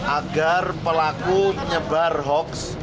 agar pelaku menyebar hoax